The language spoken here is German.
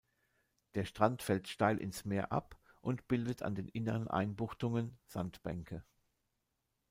Der Strand fällt steil ins Meer ab und bildet an den inneren Einbuchtungen Sandbänke.